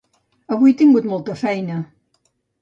Avui he tingut molta feina.